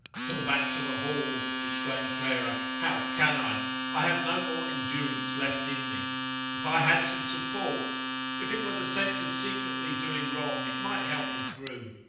"Go back to the Hall!" exclaimed Clara. "How can I? I have no more endurance left in me. If I had some support! if it were the sense of secretly doing wrong, it might help me through.